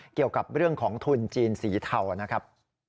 เกี่ยวกับเรื่องของทุนจีนสีเทานะครับ